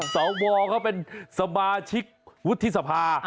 สวเขาเป็นสมาชิกวุฒิสภา